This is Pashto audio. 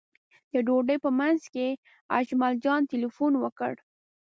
د ډوډۍ په منځ کې اجمل جان تیلفون وکړ.